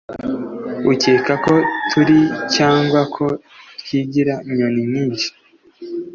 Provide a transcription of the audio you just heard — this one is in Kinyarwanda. Ukeka ko turi Cyangwa ko twigira nyoni-nyinshi